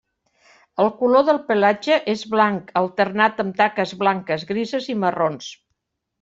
El color del pelatge és blanc, alternat amb taques blanques, grises i marrons.